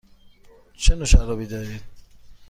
چه نوع شرابی دارید؟